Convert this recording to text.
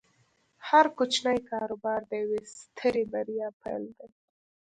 هر کوچنی کاروبار د یوې سترې بریا پیل دی۔